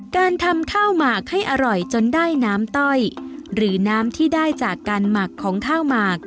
การทำข้าวหมากให้อร่อยจนได้น้ำต้อยหรือน้ำที่ได้จากการหมักของข้าวหมาก